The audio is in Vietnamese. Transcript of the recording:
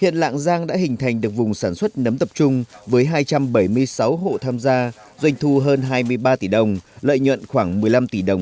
hiện lạng giang đã hình thành được vùng sản xuất nấm tập trung với hai trăm bảy mươi sáu hộ tham gia doanh thu hơn hai mươi ba tỷ đồng